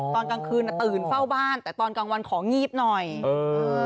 ตอนกลางคืนน่ะตื่นเฝ้าบ้านแต่ตอนกลางวันของงีบหน่อยเออ